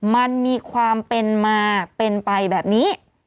มันมีความเป็นมาเป็นไปแบบนี้